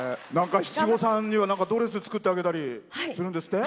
七五三にはドレス作ってあげたりするんですって？